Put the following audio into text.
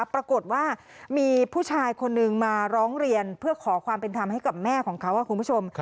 ปรากฏว่ามีผู้ชายคนนึงมาร้องเรียนเพื่อขอความเป็นธรรมให้กับแม่ของเขาคุณผู้ชม